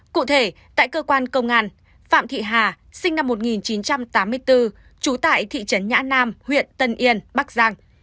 cụ thể tại cơ quan công an phạm thị hà sinh năm một nghìn chín trăm tám mươi bốn trú tại thị trấn nhã nam huyện tân yên bắc giang